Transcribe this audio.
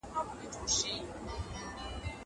که درناوی متقابل وي نو زده کړه سالمه پرمخ ځي.